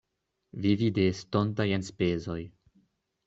Vivi de estontaj enspezoj.